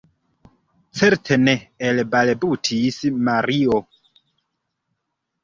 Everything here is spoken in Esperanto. Certe ne, elbalbutis Mario.